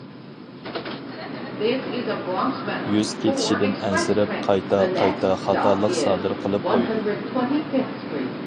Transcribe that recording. يۈز كېتىشىدىن ئەنسىرەپ، قايتا- قايتا خاتالىق سادىر قىلىپ قويىدۇ.